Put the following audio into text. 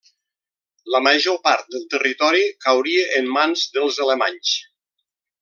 La major part del territori cauria en mans dels alemanys.